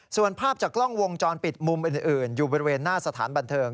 ส่วนภาพจากกล้องวงจรปิดมุมอื่นอยู่บริเวณหน้าสถานบันเทิง